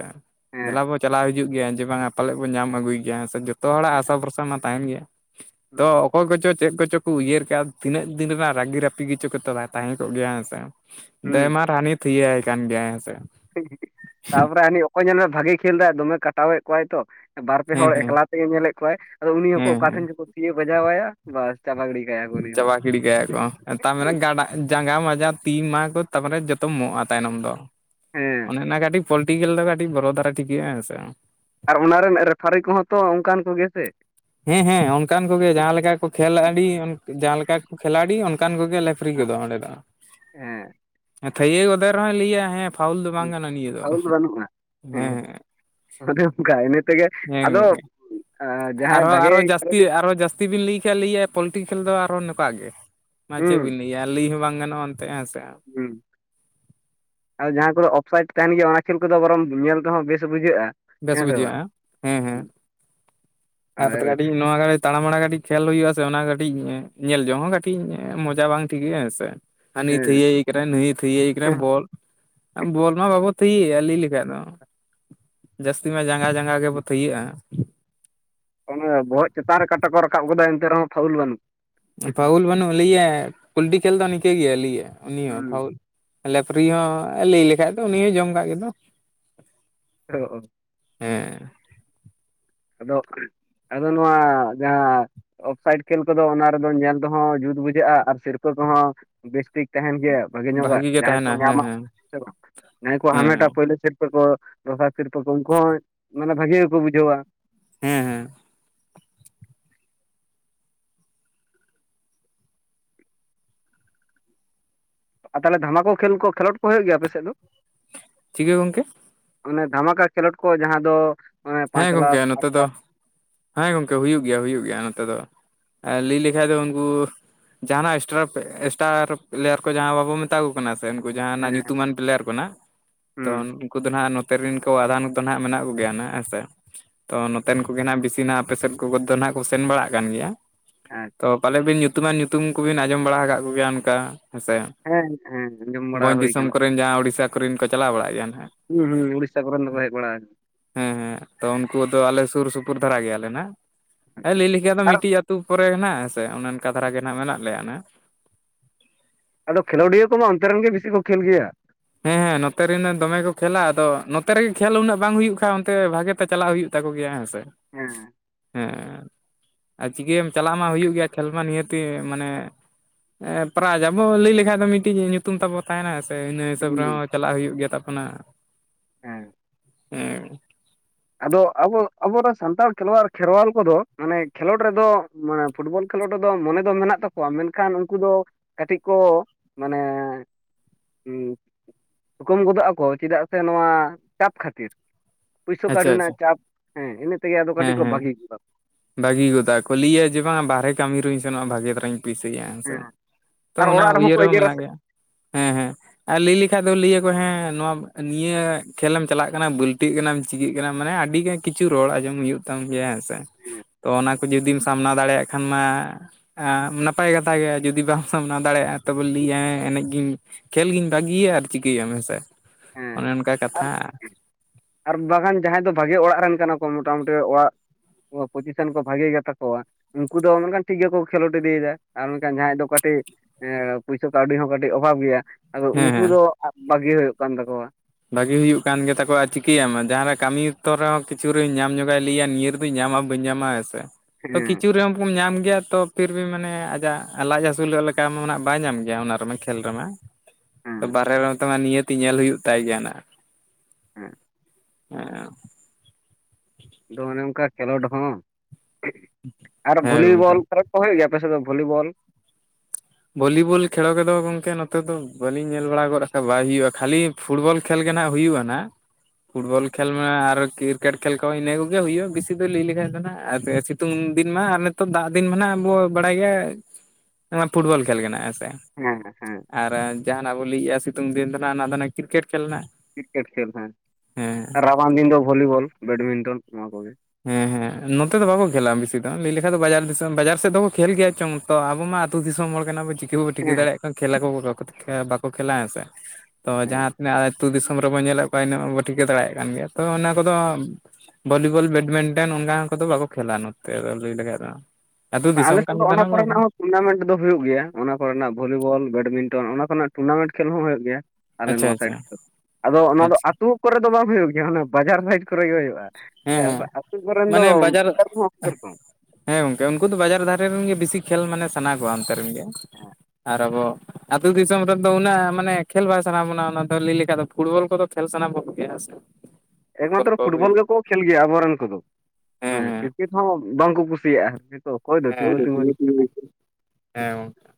ᱦᱮᱸ ᱫᱮᱞᱟᱵᱚᱼᱼ ᱪᱟᱞᱟᱣ ᱦᱤᱡᱩᱜ ᱜᱮᱭᱟ ᱡᱮ ᱵᱟᱝ ᱯᱟᱞᱮᱜ ᱵᱚᱱ ᱧᱟᱢ ᱟᱹᱜᱩᱭ ᱜᱮᱭᱟ ᱦᱮᱸ ᱥᱮ, ᱡᱚᱛᱚ ᱦᱚᱲᱟᱜ ᱦᱮᱸ ᱟᱥᱟ ᱵᱷᱚᱨᱥᱟ ᱢᱟ ᱛᱟᱦᱮᱱ ᱜᱮᱭᱟ᱾ ᱛᱚ ᱦᱩᱸ ᱚᱠᱚᱭ ᱠᱚᱪᱚ ᱪᱮᱫ ᱠᱚᱪᱚ ᱠᱚ ᱩᱭᱦᱟᱹᱨ ᱠᱮᱜᱼᱟ ᱛᱤᱱᱟᱹᱜ ᱫᱤᱱ ᱨᱮᱱᱟᱜ ᱨᱟᱹᱜᱤ ᱨᱟᱹᱯᱤ ᱜᱮᱼᱼ [unintelligible] ᱛᱟᱦᱮᱸ ᱠᱚᱜ ᱜᱮᱭᱟ ᱦᱮᱸᱥᱮ ᱦᱩᱸ ᱫᱮᱢᱟᱨ ᱦᱟᱱᱤ ᱛᱷᱤᱭᱟᱹᱟᱭ ᱠᱟᱱ ᱜᱮᱭᱟᱭ ᱦᱮᱸ ᱥᱮ᱾ ᱛᱟᱯᱚᱨᱮ ᱦᱟᱱᱤ ᱚᱠᱚᱭ ᱧᱮᱞ ᱢᱮ ᱵᱷᱟᱜᱮ ᱠᱷᱮᱞ ᱫᱟᱭ ᱫᱚᱢᱮ ᱠᱟᱴᱟᱣᱮᱫ ᱠᱚᱣᱟᱭ ᱛᱚ᱾ ᱵᱟᱨ ᱯᱮ ᱦᱮᱸ ᱦᱚᱲ ᱦᱮᱸ ᱮᱠᱞᱟ ᱛᱮᱜᱮ ᱧᱮᱞᱮᱫ ᱠᱚᱣᱟᱭ ᱟᱫᱚ ᱩᱱᱤ ᱦᱚᱸᱠᱚ ᱦᱮᱸ ᱚᱠᱟ ᱦᱮᱸ ᱴᱷᱮᱱ ᱡᱚᱠᱚ ᱛᱤᱭᱟᱹ ᱵᱟᱡᱟᱣᱟᱭᱟ ᱵᱟᱥ ᱪᱟᱵᱟ ᱜᱤᱰᱤᱼᱼ [unintelligible] [unintelligible] ᱜᱮᱭᱟ ᱠᱚ ᱛᱟᱨᱢᱟᱱᱮ [unintelligible] ᱡᱟᱸᱜᱟ ᱢᱟᱡᱟ ᱛᱤ ᱢᱟ ᱠᱚ ᱛᱟᱨᱯᱚᱨᱮ ᱡᱚᱛᱚᱢ ᱢᱚᱜᱼᱟ ᱛᱟᱭᱱᱚᱢ ᱫᱚ᱾ ᱦᱮᱸ ᱚᱱᱮ ᱚᱱᱟ ᱠᱟᱹᱴᱤᱡ ᱯᱚᱞᱴᱤ ᱠᱷᱮᱞ ᱫᱚ ᱠᱟᱹᱴᱤᱡ [inaudible] ᱴᱷᱤᱠ ᱜᱮᱭᱟ ᱦᱮᱸ ᱥᱮ᱾ ᱟᱨ ᱚᱱᱟᱨᱮ ᱨᱮᱱ ᱨᱮᱯᱷᱟᱨᱤ ᱠᱚᱦᱚᱸ ᱛᱚ ᱚᱱᱠᱟᱱ ᱠᱚᱜᱮ ᱥᱮ᱾ ᱦᱮᱸ ᱦᱮᱸ ᱚᱱᱠᱟᱱ ᱠᱚᱜᱮ ᱡᱟᱦᱟᱸ ᱞᱮᱠᱟ ᱠᱚ ᱠᱷᱮᱞᱟᱲᱤ ᱡᱟᱦᱟᱸ ᱞᱮᱠᱟ ᱠᱚ ᱠᱷᱮᱞᱟᱲᱤ ᱚᱱᱠᱟᱱ ᱠᱚᱜᱮᱼᱼ [unintelligible] ᱦᱮᱸ ᱜᱚᱫᱚᱜ ᱚᱸᱰᱮ ᱫᱚ ᱦᱮᱸ ᱛᱷᱟᱹᱭᱟᱹ ᱜᱚᱫᱮ ᱨᱮᱦᱚᱸᱭ ᱞᱟᱹᱭᱟ ᱦᱮᱸᱼᱼ ᱯᱷᱟᱣᱩᱞ ᱫᱚ ᱵᱟᱝᱠᱟᱱᱟ ᱱᱤᱭᱟᱹ ᱫᱚ ᱯᱷᱟᱣᱩᱞ ᱦᱮᱸ ᱚᱱᱟ ᱛᱮ ᱚᱱᱠᱟ ᱤᱱᱟᱹ ᱛᱮᱜᱮ ᱟᱫᱚ᱾ ᱦᱮᱸ ᱟᱸ ᱡᱟᱦᱟᱸᱭ ᱟᱨᱚ ᱵᱷᱟᱜᱮ ᱟᱨᱚ ᱡᱟᱥᱛᱤ ᱠᱷᱮᱞᱳᱰᱤᱡ ᱟᱨᱚ ᱡᱟᱥᱛᱤᱼᱼ [unintelligible] ᱵᱤᱱ ᱞᱟᱹᱭ ᱠᱷᱟᱡ ᱞᱟᱹᱭᱟ ᱯᱚᱞᱴᱤ ᱠᱷᱮᱞ ᱫᱚ ᱟᱨᱚ ᱱᱚᱝᱠᱟ ᱜᱮ ᱢᱟ ᱪᱮᱫ ᱵᱤᱱ ᱦᱩᱸ ᱞᱟᱹᱭᱟ᱾ ᱤᱭᱟᱹ ᱞᱟᱹᱭ ᱦᱚᱸ ᱵᱟᱝ ᱜᱟᱱᱚᱜᱼᱟ ᱚᱱᱛᱮ ᱦᱮᱸᱥᱮᱼᱼ ᱦᱩᱸ ᱟᱨ ᱡᱟᱦᱟᱸ ᱠᱚᱫᱚ ᱚᱯᱥᱟᱭᱤᱴ ᱛᱟᱦᱮᱱ ᱜᱮᱭᱟ ᱚᱱᱟ ᱠᱷᱮᱞ ᱠᱚᱫᱚ ᱵᱚᱨᱚᱝ ᱧᱮᱞ ᱛᱮᱦᱚᱸ ᱵᱮᱥ ᱵᱩᱡᱷᱟᱹᱜᱼᱟ᱾ ᱵᱮᱥ ᱦᱮᱸ ᱥᱮ ᱵᱟᱝ ᱵᱩᱡᱷᱟᱹᱜᱼᱟ ᱦᱮᱸ ᱦᱮᱸ ᱦᱩᱸ ᱟᱨ [inaudible] ᱟᱹᱰᱤ ᱱᱚᱣᱟ [inaudible] ᱛᱟᱲᱟᱢᱟᱲᱟ ᱠᱟᱹᱴᱤᱡ ᱠᱷᱮᱞ ᱦᱩᱭᱩᱜ ᱟ ᱥᱮ ᱚᱱᱟ ᱠᱟᱹᱴᱤᱡ ᱧᱮᱞ ᱡᱚᱝ ᱦᱚᱸ ᱠᱟᱹᱴᱤᱡ ᱢᱚᱡᱟ ᱵᱟᱝ ᱴᱷᱤᱠᱟᱹᱜ-ᱟ ᱦᱮᱸ ᱥᱮ᱾ ᱦᱟᱹᱱᱤ ᱦᱮᱸ ᱛᱷᱤᱭᱟᱹᱭ ᱨᱮ ᱱᱟᱹᱭᱮ ᱛᱷᱤᱭᱟᱹᱭᱮ ᱠᱟᱱᱟ ᱵᱚᱞ, ᱵᱚᱞ ᱢᱟ ᱵᱟᱵᱚ ᱛᱷᱤᱭᱟᱹᱭᱟ ᱞᱟᱹᱭ ᱞᱮᱠᱷᱟᱡ ᱫᱚ᱾ ᱡᱟᱹᱥᱛᱤ ᱢᱟ ᱡᱟᱸᱜᱟ ᱡᱟᱸᱜᱟ ᱜᱮᱵᱚ ᱛᱷᱤᱭᱟᱹᱜᱼᱟ᱾ ᱚᱱᱮ ᱵᱚᱦᱚᱜ ᱪᱮᱛᱟᱱ ᱨᱮ ᱠᱟᱴᱟ ᱠᱚ ᱨᱟᱠᱟᱵ ᱜᱚᱫᱟ ᱮᱱᱛᱮ ᱨᱮᱦᱚᱸ ᱯᱷᱟᱣᱩᱞ ᱵᱟᱹᱱᱩᱜ᱾ ᱯᱷᱟᱣᱩᱞ ᱵᱟᱱᱩᱜ [unintelligible] ᱯᱚᱞᱴᱤ ᱠᱷᱮᱞ ᱫᱚ ᱱᱤᱝᱠᱟᱹ ᱜᱮ ᱩᱱᱤ ᱦᱚᱸ ᱦᱩᱸ ᱯᱷᱟᱣᱩᱞ ᱞᱮᱯᱷᱟᱨᱤ ᱦᱚᱸ ᱞᱟᱹᱭ ᱞᱮᱠᱷᱟᱡ ᱫᱚ ᱩᱱᱤ ᱦᱚᱸ ᱡᱚᱢ ᱠᱟᱜ ᱜᱮᱫᱚ᱾ [unintelligible] ᱦᱮᱸ᱾ ᱟᱫᱚ ᱟᱫᱚ ᱱᱚᱣᱟ ᱡᱟᱦᱟᱸ ᱚᱯᱥᱟᱭᱤᱰ ᱠᱷᱮᱞ ᱠᱚᱫᱚ ᱚᱱᱟ ᱨᱮᱫᱚ ᱧᱮᱞ ᱛᱮᱦᱚᱸ ᱡᱩᱛ ᱵᱩᱡᱷᱟᱹᱜᱼᱟ, ᱟᱨ ᱥᱤᱨᱯᱟᱹ ᱠᱚᱦᱚᱸ ᱵᱮᱥ ᱴᱷᱤᱠ ᱛᱟᱦᱮᱱ ᱵᱷᱟᱜᱤ ᱧᱚᱜᱼᱟ ᱜᱮ ᱡᱟᱦᱟᱸᱭ ᱠᱚ ᱛᱟᱦᱮᱱᱟ ᱦᱮᱸ ᱧᱟᱢᱟ ᱦᱮᱸ ᱥᱮ ᱵᱟᱝ ᱡᱟᱦᱟᱸᱭ ᱠᱚᱣᱟᱜ ᱦᱮᱸ ᱦᱮᱸ ᱦᱟᱢᱮᱴᱟ ᱯᱳᱭᱞᱳ ᱥᱮᱫ ᱫᱚᱥᱟᱨ ᱥᱤᱨᱯᱟᱹ ᱠᱚ ᱩᱱᱠᱩ ᱦᱚᱸ ᱢᱟᱱᱮ ᱵᱷᱟᱜᱤ ᱜᱮᱠᱚ ᱵᱩᱡᱷᱟᱹᱣᱟ᱾ ᱦᱮᱸ ᱦᱮᱸ᱾ ᱟᱨ ᱛᱟᱦᱚᱞᱮ ᱫᱷᱟᱢᱟ ᱠᱚ ᱠᱷᱮᱞ ᱠᱚ ᱠᱷᱮᱞᱳᱰ ᱦᱩᱭᱩᱜ ᱜᱮᱭᱟ ᱟᱯᱮ ᱥᱮᱫ ᱫᱚ? ᱪᱤᱠᱟᱹ ᱜᱚᱢᱠᱮ? ᱚᱱᱮ ᱫᱷᱟᱢᱟᱠᱟ ᱠᱷᱮᱞᱳᱰ ᱠᱚ ᱡᱟᱦᱟᱸ ᱫᱚ ᱚᱱᱮ ᱯᱟᱸᱪ ᱦᱮᱸ ᱜᱚᱢᱠᱮ ᱞᱟᱠᱷ ᱟᱴ ᱱᱚᱛᱮ ᱫᱚ, ᱞᱟᱠᱷ ᱦᱮᱸ ᱜᱚᱢᱠᱮ ᱦᱩᱭᱩᱜ ᱜᱮᱭᱟ ᱦᱩᱭᱩᱜ ᱜᱮᱭᱟ ᱱᱚᱛᱮ ᱫᱚ᱾ ᱞᱟᱹᱭ ᱞᱮᱠᱷᱟᱡ ᱫᱚ ᱩᱱᱠᱩ ᱡᱟᱦᱟᱸᱱᱟᱜ ᱮᱨᱟ, ᱥᱴᱟᱨ ᱯᱞᱮᱭᱟᱨ ᱠᱚ ᱡᱟᱦᱟᱸ ᱵᱟᱵᱚ ᱢᱮᱛᱟ ᱠᱚ ᱠᱟᱱᱟ ᱥᱮ ᱩᱱᱠᱩ ᱡᱟᱦᱱᱟᱜ ᱦᱮᱸ ᱧᱩᱛᱩᱢᱟᱱ ᱯᱞᱮᱭᱟᱨ ᱠᱟᱱᱟ, ᱛᱚ ᱦᱩᱸ ᱩᱱᱠᱩ ᱫᱚ ᱱᱟᱦᱟᱜ ᱱᱚᱛᱮ ᱨᱮᱱ ᱠᱚ ᱟᱫᱷᱟᱱ ᱠᱚᱫᱚ ᱱᱟᱦᱟᱜ ᱢᱮᱱᱟᱜ ᱠᱚᱜᱭᱟ ᱱᱟᱦᱟᱜ ᱦᱮᱸ ᱥᱮ᱾ ᱛᱚ ᱱᱚᱛᱮᱱ ᱠᱚᱜᱮ ᱱᱟᱜ ᱵᱮᱥᱤ ᱱᱟᱜᱷ ᱟᱯ ᱥᱮᱫ ᱠᱚ ᱫᱚ ᱱᱟᱜ ᱠᱚ ᱥᱮᱱ ᱵᱟᱲᱟᱜ ᱠᱟᱱ ᱜᱮᱭᱟ᱾ [unintelligible] ᱛᱚ ᱯᱟᱞᱮᱫ ᱵᱤᱱ ᱧᱩᱛᱩᱢᱟᱱ ᱧᱩᱛᱩᱢ ᱠᱚᱵᱤᱱ ᱟᱸᱡᱚᱢ ᱵᱟᱲᱟ ᱟᱠᱟᱫ ᱠᱚᱜᱮᱭᱟ ᱚᱱᱠᱟ ᱦᱮᱸ ᱥᱮ᱾ ᱦᱮᱸ ᱟᱸᱡᱚᱢ ᱵᱟᱲᱟ ᱵᱷᱚᱡᱽ ᱦᱩᱭ ᱠᱟᱱᱟ ᱫᱤᱥᱚᱢ ᱠᱚᱨᱮᱱ ᱡᱟᱦᱟᱸ ᱩᱲᱤᱥᱥᱟ ᱠᱚᱨᱮᱱ ᱠᱚ ᱪᱟᱞᱟᱣ ᱵᱟᱲᱟᱜ ᱜᱮᱭᱟ ᱦᱟᱸᱜ᱾ ᱦᱩᱸ ᱦᱩᱸ ᱩᱤᱥᱥᱟ ᱠᱚᱨᱮᱱ ᱫᱚ ᱠᱚ ᱦᱮᱡ ᱵᱟᱲᱟ ᱦᱮᱸ ᱦᱮᱸ ᱛᱚ ᱩᱱᱠᱩ ᱫᱚ ᱟᱞᱮ ᱥᱩᱨ ᱥᱩᱯᱩᱨ ᱫᱷᱟᱨᱟ ᱜᱮᱭᱟᱞᱮ ᱱᱷᱟᱜ ᱦᱮᱸ ᱞᱟᱹᱭ ᱞᱮᱠᱷᱟᱱ ᱫᱚ ᱟᱨ ᱢᱤᱫᱴᱤᱡ ᱟᱹᱛᱩ ᱯᱚᱨᱮ ᱜᱮ ᱦᱟᱸᱜ ᱦᱮᱸᱥᱮ ᱚᱱᱮ ᱚᱱᱠᱟ ᱫᱷᱟᱨᱟ ᱜᱮᱱᱷᱟᱜ ᱢᱮᱱᱟᱜ ᱞᱮᱭᱟ ᱱᱟᱜ᱾ ᱟᱫᱚ ᱠᱷᱮᱞᱳᱰᱤᱭᱟᱹ ᱠᱚᱢᱟ ᱚᱱᱛᱮ ᱨᱮᱱ ᱜᱮ ᱵᱮᱥᱤ ᱠᱚ ᱠᱷᱮᱞ ᱜᱮᱭᱟ᱾ ᱦᱮᱸ ᱦᱮᱸ ᱱᱚᱛᱮ ᱨᱮᱱ ᱫᱚᱢᱮ ᱠᱚ ᱠᱷᱮᱞᱟ, ᱟᱫᱚ ᱱᱚᱛᱮ ᱨᱮᱜᱮ ᱠᱷᱮᱞ ᱩᱱᱟᱹᱜ ᱵᱟᱝ ᱦᱩᱭᱩᱜ ᱠᱷᱟᱱ ᱚᱱᱛᱮ ᱵᱷᱟᱜᱮ ᱛᱮ ᱪᱟᱞᱟᱜ ᱦᱩᱭᱩᱜ ᱛᱟᱠᱚ ᱜᱮᱭᱟ ᱦᱮᱸ ᱥᱮ᱾ ᱦᱮᱸ᱾ ᱦᱮᱸ ᱟᱨ ᱪᱤᱠᱟᱹᱭᱟᱢ ᱪᱟᱞᱟᱜ ᱢᱟ ᱦᱩᱭᱩᱜ ᱜᱮᱭᱟ ᱠᱷᱮᱞ ᱢᱟ ᱱᱤᱦᱟᱹᱛᱤ ᱢᱟᱱᱮ ᱯᱨᱟᱭᱤᱡ ᱟᱵᱚ ᱞᱟᱹᱭ ᱞᱮᱠᱷᱟᱱ ᱫᱚ ᱢᱤᱫᱴᱤᱡ ᱧᱩᱛᱩᱢ ᱛᱟᱵᱚ ᱛᱟᱦᱮᱱᱟ ᱦᱮᱸᱥᱮ ᱤᱱᱟᱹ ᱦᱤᱥᱟᱹᱵ ᱦᱩᱸ ᱨᱮᱦᱚᱸ ᱪᱟᱞᱟᱜ ᱦᱩᱭᱩᱜ ᱜᱮᱭᱟ ᱛᱟᱯᱚᱱᱟ ᱦᱮᱸ ᱦᱮᱸ᱾ ᱟᱫᱚ ᱟᱵᱚ ᱟᱵᱚᱨᱮᱱ ᱥᱟᱱᱛᱟᱲ ᱠᱷᱮᱞᱣᱟᱲ ᱠᱷᱮᱨᱣᱟᱞ ᱠᱚᱫᱚ ᱢᱟᱱᱮ ᱠᱷᱮᱞᱳᱰ ᱨᱮᱫᱚ ᱢᱟᱱᱮ ᱯᱷᱩᱴᱵᱚᱞ ᱠᱷᱮᱞᱳᱰ ᱨᱮᱫᱚ ᱢᱚᱱᱮ ᱫᱚ ᱢᱮᱱᱟᱜ ᱛᱟᱠᱚᱣᱟ ᱢᱮᱱᱠᱷᱟᱱ ᱩᱱᱠᱩ ᱫᱚ ᱠᱟᱹᱴᱤᱡ ᱠᱚ ᱢᱟᱱᱮ ᱛᱷᱩᱠᱩᱢ ᱜᱚᱫᱚᱜ ᱟᱠᱚ ᱪᱮᱫᱟᱜ ᱥᱮ ᱱᱚᱣᱟ ᱪᱟᱯ ᱠᱷᱟᱹᱛᱤᱨ᱾ ᱯᱩᱭᱥᱟᱹ ᱠᱟᱹᱣᱰᱤ ᱟᱪᱪᱷᱟ ᱟᱪᱪᱷᱟ ᱨᱮᱱᱟᱜ ᱪᱟᱯ ᱦᱮᱸ, ᱤᱱᱟᱹᱜ ᱛᱮᱜᱮ ᱟᱫᱚ ᱠᱟᱹᱴᱤᱡ ᱦᱮᱸ ᱠᱚ ᱦᱮᱸ ᱵᱟᱹᱜᱤ ᱜᱚᱫᱟ᱾ ᱵᱷᱟᱹᱜᱤ ᱜᱚᱫᱟ ᱠᱚ ᱞᱟᱹᱭᱟ ᱡᱮ ᱵᱟᱝ ᱵᱟᱦᱨᱮ ᱠᱟᱹᱢᱤ ᱨᱮᱦᱩᱧ ᱥᱮᱱᱚᱜᱼᱟ ᱵᱷᱟᱜᱮ ᱫᱷᱟᱨᱟᱧ ᱯᱤᱥᱟᱹᱭᱟ ᱦᱮᱸ ᱥᱮ, ᱛᱚ ᱟᱨ ᱚᱱᱟ ᱚᱲᱟᱜ ᱨᱮᱦᱚᱸ ᱠᱚ ᱩᱭᱦᱟᱹᱨᱟ ᱦᱚᱸ ᱢᱮᱱᱟᱜ ᱜᱮᱭᱟ᱾ ᱦᱮᱸ [inaudible] ᱦᱮᱸ ᱟᱨ ᱞᱟᱹᱭ ᱞᱮᱠᱷᱟᱡ ᱫᱚ ᱞᱟᱹᱭᱟ ᱠᱚ ᱦᱮᱸ ᱱᱚᱣᱟ ᱱᱤᱭᱟᱹ ᱠᱷᱮᱞ ᱮᱢ ᱪᱟᱞᱟᱜ ᱠᱟᱱᱟ ᱵᱟᱹᱞᱴᱟᱹᱜ ᱠᱟᱱᱟᱢ᱾ ᱪᱤᱠᱟᱹᱜ ᱠᱟᱱᱟᱢ ᱢᱟᱱᱮ ᱟᱹᱰᱤᱜᱟᱱ ᱠᱤᱪᱷᱩ ᱨᱚᱲ ᱟᱸᱡᱚᱢ ᱦᱩᱭᱩᱜ ᱛᱟᱢ ᱜᱮᱭᱟ ᱦᱮᱸᱥᱮ᱾ ᱛᱚ ᱚᱱᱟ ᱠᱚ ᱡᱩᱫᱤᱢ ᱥᱟᱢᱱᱟ ᱫᱟᱲᱮᱭᱟᱜ ᱠᱷᱟᱱ ᱢᱟ ᱱᱟᱯᱟᱭ ᱠᱟᱛᱷᱟ ᱜᱮ ᱡᱩᱫᱤ ᱵᱟᱢ ᱥᱟᱢᱲᱟᱣ ᱫᱟᱲᱮᱭᱟᱜᱼᱟ ᱛᱚᱵᱮ ᱞᱟᱹᱭᱟ ᱮᱱᱮᱡ ᱜᱮᱧ ᱠᱷᱮᱞ ᱜᱤᱧ ᱵᱷᱟᱹᱜᱤᱭᱟ ᱟᱨ ᱪᱤᱠᱟᱹᱭᱟᱢ ᱦᱮᱸᱥᱮ᱾ ᱦᱮᱸ ᱚᱱᱮ ᱚᱱᱠᱟ ᱟᱨ ᱠᱟᱛᱷᱟ᱾ ᱟᱨ ᱵᱟᱝᱠᱷᱟᱱ ᱡᱟᱦᱟᱸᱭ ᱫᱚ ᱵᱷᱟᱜᱮ ᱚᱲᱟᱜ ᱨᱮᱱ ᱠᱟᱱᱟ ᱠᱚ ᱢᱚᱴᱟᱢᱩᱴᱤ ᱚᱲᱟᱜ ᱯᱚ ᱯᱚᱪᱤᱥᱮᱱ ᱠᱚ ᱵᱷᱟᱜᱮ ᱜᱮᱛᱟ ᱠᱚᱣᱟ ᱩᱱᱠᱩ ᱫᱚ ᱢᱮᱱᱠᱷᱟᱱ ᱴᱷᱤᱠ ᱜᱮᱠᱚ ᱠᱷᱮᱞᱳᱰ ᱤᱫᱤᱭᱮᱫᱟ ᱟᱨ ᱢᱮᱱᱠᱷᱟᱱ ᱡᱟᱦᱟᱸᱭ ᱫᱚ ᱠᱟᱹᱴᱤᱡ ᱮᱸ ᱯᱚᱭᱥᱟ ᱠᱟᱹᱣᱰᱤ ᱦᱚᱸ ᱠᱟᱹᱴᱤᱡ ᱚᱵᱷᱟᱵ ᱜᱮᱭᱟ ᱟᱫᱚ ᱦᱮᱸ ᱩᱱᱠᱩ ᱦᱮᱸ ᱫᱚ ᱵᱟᱹᱜᱤ ᱦᱩᱭᱩᱜ ᱠᱟᱱ ᱛᱟᱠᱚᱣᱟ᱾ ᱵᱟᱜᱤ ᱦᱩᱭᱩᱜ ᱠᱟᱱ ᱜᱮᱛᱟ ᱠᱚᱣᱟ ᱟᱨ ᱪᱤᱠᱟᱹᱭᱟᱢ ᱡᱟᱦᱟᱸᱨᱮ ᱠᱟᱹᱢᱤ ᱚᱠᱛᱚ ᱨᱮᱦᱚᱸ ᱠᱤᱪᱷᱩ ᱨᱮᱦᱩᱧ ᱧᱟᱢ ᱧᱚᱜᱼᱟ ᱞᱟᱹᱭᱟ ᱱᱤᱭᱟᱹ ᱫᱚᱧ ᱧᱟᱢᱟ ᱵᱟᱹᱧ ᱧᱟᱢᱟ ᱦᱮᱸᱥᱮ ᱛᱚ ᱦᱮᱸ ᱠᱤᱪᱷᱩ ᱨᱮᱦᱚᱸ ᱠᱚᱢ ᱧᱟᱢ ᱜᱮᱭᱟ ᱛᱚ ᱯᱷᱤᱨᱵᱤ ᱢᱟᱱᱮ ᱟᱡᱟᱜ ᱞᱟᱡ ᱦᱟᱹᱥᱩᱞᱚᱜ ᱞᱮᱠᱟ ᱢᱟᱱᱟᱜ ᱵᱟᱭ ᱧᱟᱢ ᱜᱮᱭᱟ ᱚᱱᱟ ᱨᱮᱢᱟ ᱠᱷᱮᱞ ᱨᱮᱢᱟ᱾ ᱦᱮᱸ ᱵᱟᱨᱦᱮ ᱨᱮᱦᱚ ᱛᱚᱢᱟ ᱱᱤᱭᱟᱹᱛᱤ ᱧᱮᱞ ᱦᱩᱭᱩᱜ ᱛᱟᱭ ᱜᱮᱭᱟ ᱱᱟᱜ᱾ ᱦᱮᱸ᱾ ᱮᱸᱭ ᱟᱫᱚ ᱚᱱᱮ ᱚᱱᱠᱟ ᱠᱷᱮᱞᱳᱰ ᱦᱚᱸ ᱟᱨ ᱜᱚᱝᱠᱮ ᱵᱷᱚᱞᱤᱵᱚᱞ ᱠᱚᱨᱮ ᱠᱚ ᱦᱚᱭᱳᱜ ᱜᱮᱭᱟ ᱟᱯᱮ ᱥᱮᱫ ᱫᱚ ᱵᱷᱚᱞᱤᱵᱚᱞ? ᱵᱷᱚᱞᱤ ᱵᱚᱞ ᱠᱷᱮᱲᱚ ᱨᱮᱫᱚ ᱜᱚᱝᱠᱮ ᱱᱚᱛᱮ ᱫᱚ ᱵᱟᱹᱞᱤᱧ ᱧᱮᱞ ᱵᱟᱲᱟ ᱜᱚᱫ ᱟᱠᱟᱫᱟ ᱵᱟᱭ ᱦᱩᱭᱩᱜᱼᱟ ᱠᱷᱟᱹᱞᱤ ᱯᱷᱩᱴᱵᱚᱞ ᱠᱷᱹᱮᱞ ᱜᱮ ᱱᱷᱟᱜ ᱦᱩᱭᱩᱜᱼᱟ ᱱᱷᱟᱜ ᱯᱷᱩᱴᱵᱚᱞ ᱠᱷᱮᱞ ᱢᱟ ᱟᱨ ᱠᱤᱨ ᱠᱮᱴ ᱠᱷᱮᱞ ᱠᱚ ᱤᱱᱟᱹ ᱠᱚᱜᱮ ᱦᱩᱭᱩᱜᱼᱟ ᱵᱮᱥᱤ ᱫᱚ ᱞᱟᱹᱭ ᱞᱮᱠᱷᱟᱱ ᱫᱚ ᱦᱟᱜ ᱟᱨ ᱥᱤᱛᱩᱝ ᱫᱤᱱ ᱢᱟ ᱟᱨ ᱱᱤᱛᱚᱜ ᱫᱟᱜ ᱫᱤᱱ ᱢᱟ ᱱᱟᱜ ᱵᱚ ᱵᱟᱲᱟᱭ ᱜᱮᱻ᱾ ᱯᱷᱩᱴᱵᱚᱞ ᱠᱷᱮᱞ ᱠᱟᱱᱟ ᱦᱮᱸᱥᱮ᱾ ᱦᱮᱸ ᱦᱮᱸ᱾ ᱟᱨ ᱡᱟᱦᱟᱱᱟᱜ ᱵᱚᱱ ᱞᱟᱹᱭᱮᱫᱼᱟ ᱥᱤᱛᱩᱝ ᱫᱤᱱ ᱫᱚ ᱱᱟᱜ ᱚᱱᱟ ᱫᱚ ᱦᱟᱜ ᱠᱨᱤᱠᱮᱴ ᱠᱷᱮᱞ ᱱᱟᱜ᱾ ᱠᱨᱤᱠᱮᱴ ᱠᱷᱮᱞ ᱦᱮᱸ ᱟᱨ ᱨᱟᱵᱟᱝ ᱫᱤᱱ ᱫᱚ ᱵᱷᱚᱞᱤᱵᱚᱞ ᱵᱮᱰᱢᱤᱱᱴᱚᱱ ᱱᱚᱣᱟ ᱠᱚᱜᱮ ᱦᱮᱸ ᱦᱮᱸ ᱱᱚᱛᱮ ᱫᱚ ᱵᱟᱠᱚ ᱠᱷᱮᱹᱞᱟ ᱵᱮᱥᱤ ᱫᱚ ᱞᱟᱹᱭ ᱞᱮᱠᱷᱟᱱ ᱫᱚ ᱵᱟᱡᱟᱨ ᱫᱤᱥᱚᱢ ᱵᱟᱡᱟᱨ ᱥᱮᱫ ᱫᱚᱠᱚ ᱠᱷᱮᱞ ᱜᱮᱭᱟ ᱪᱚᱝ ᱛᱚ ᱟᱵᱚ ᱢᱟ ᱟᱹᱛᱩ ᱫᱤᱥᱚᱢ ᱦᱚᱲ ᱠᱟᱱᱟᱵᱚ ᱪᱤᱠᱤ ᱵᱟ ᱴᱷᱤᱠᱟᱹ ᱦᱮᱸ ᱫᱟᱲᱮᱭᱟᱜ ᱠᱟᱱᱟ ᱠᱷᱮᱞᱟ ᱠᱚ ᱵᱟᱠᱚ ᱠᱷᱮᱞᱟ ᱦᱮᱸ ᱥᱮ ᱛᱚ ᱦᱮᱸ ᱡᱟᱦᱟᱸ ᱛᱤᱱᱟᱹᱜ ᱟᱹᱛᱩ ᱫᱤᱥᱚᱢ ᱨᱮᱵᱚᱱ ᱧᱮᱞᱮᱫ ᱠᱚᱭ ᱤᱱᱟᱹᱜ ᱢᱟ ᱵᱚ ᱴᱷᱤᱠᱟᱹ ᱫᱟᱲᱮᱭᱟᱜ ᱠᱟᱱ ᱜᱮᱭᱟ ᱛᱚ ᱚᱱᱟ ᱠᱚᱫᱚ ᱵᱷᱚᱞᱤᱵᱚᱞ ᱵᱮᱰ ᱢᱤᱱᱴᱚᱱ ᱚᱱᱠᱟ ᱠᱚᱫᱚ ᱵᱟᱠᱚ ᱠᱷᱮᱞᱟ ᱱᱚᱛᱮ ᱞᱟᱹᱭ ᱞᱮᱠᱷᱟᱱ ᱫᱚ ᱟᱹᱛᱩ ᱫᱤᱥᱚᱢ ᱟᱞᱮ ᱥᱮᱫ ᱠᱟᱱ ᱫᱚ ᱜᱮ ᱚᱱᱟ ᱛᱟᱦᱮ ᱟᱵᱚ ᱠᱚᱨᱮᱱᱟᱜ ᱦᱚᱸ ᱴᱩᱨᱱᱟᱢᱮᱱᱴ ᱫᱚ ᱦᱩᱭᱩᱜ ᱜᱮᱭᱟ ᱚᱱᱟ ᱠᱚᱨᱮᱱᱟᱜ ᱵᱷᱚᱞᱤᱵᱚᱞ ᱵᱮᱰᱢᱤᱱᱴᱚᱱ ᱚᱱᱟ ᱠᱚᱨᱮᱱᱟᱜ ᱴᱩᱨᱱᱟᱢᱮᱱᱴ ᱠᱷᱮᱞ ᱦᱚᱸ ᱦᱩᱭᱩᱜ ᱜᱮᱭᱟ᱾ ᱟᱞᱮ ᱟᱪᱪᱷᱟ ᱱᱚᱣᱟ ᱟᱪᱪᱷᱟ ᱥᱟᱭᱤᱰ ᱠᱚᱫᱚ ᱟᱫᱚ ᱚᱱᱟ ᱫᱚ ᱟᱪᱪᱷᱟ ᱟᱹᱛᱩ ᱠᱚᱨᱮ ᱫᱚ ᱵᱟᱝ ᱦᱩᱭᱩᱜ ᱜᱮᱭᱟ ᱚᱱᱟ ᱵᱟᱡᱟᱨ ᱥᱟᱭᱤᱰ ᱠᱚᱨᱮ ᱜᱮ ᱦᱮᱸ ᱦᱮᱸ ᱦᱩᱭᱩᱜᱼᱟ᱾ ᱟᱹᱛᱩ ᱠᱚᱨᱮᱱ ᱫᱚ ᱢᱟᱱᱮ ᱵᱟᱡᱟᱨ [unintelligible] ᱦᱮᱸ ᱜᱚᱝᱠᱮ ᱩᱱᱠᱩ ᱫᱚ ᱵᱟᱡᱟᱨ ᱫᱷᱟᱨᱮ ᱨᱮᱱ ᱜᱮ ᱵᱮᱥᱤ ᱠᱷᱮᱞ ᱢᱟᱱᱮ ᱥᱟᱱᱟ ᱠᱚᱣᱟ ᱚᱱᱛᱮ ᱨᱮᱱ ᱜᱮ ᱟᱨ ᱟᱵᱚ ᱟᱹᱛᱩ ᱫᱤᱥᱚᱢ ᱨᱮᱱᱫᱚ ᱩᱱᱟᱹᱜ ᱢᱟᱱᱮ ᱠᱷᱮᱞ ᱵᱟᱭ ᱥᱟᱱᱟ ᱵᱚᱱᱟ ᱚᱱᱟ ᱫᱚ ᱞᱟᱹᱭ ᱞᱮᱠᱷᱟᱱ ᱫᱚ ᱯᱷᱩᱴᱵᱚᱞ ᱠᱚᱫᱚ ᱠᱷᱮᱞ ᱥᱟᱱᱟ ᱵᱚᱱ ᱜᱮᱭᱟ ᱦᱮᱸ ᱥᱮ [inaudible] ᱮᱠᱢᱟᱛᱨᱚ ᱠᱚ ᱯᱷᱩᱴᱵᱚᱞ ᱦᱩᱭᱮᱱ ᱜᱮᱠᱚ ᱠᱷᱮᱞ ᱜᱮᱭᱟ ᱟᱵᱚᱨᱮᱱ ᱠᱚᱫᱚ ᱦᱮᱸ ᱠᱨᱤᱠᱮᱴ ᱦᱚᱸ ᱵᱟᱝ ᱠᱚ ᱠᱩᱥᱤᱭᱟᱜᱼᱟ᱾ ᱚᱠᱚᱭ ᱫᱚ ᱦᱮᱸ ᱦᱮᱸ ᱛᱤᱸᱜᱩ ᱛᱤᱸᱜᱩᱭ ᱠᱷᱮᱞᱟᱭ᱾ ᱦᱮᱸ ᱚᱱᱠᱟ